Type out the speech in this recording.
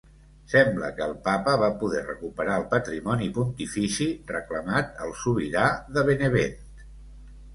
Sembla que el Papa va poder recuperar el patrimoni pontifici reclamat al sobirà de Benevent.